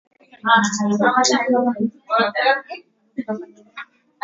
kanisa la kilutheri hili kutoa tamko kwamba serikali